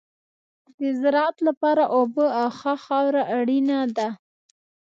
د زراعت لپاره اوبه او ښه خاوره اړینه ده.